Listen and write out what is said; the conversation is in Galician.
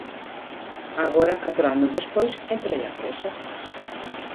Agora, catro anos despois, éntralle a présa.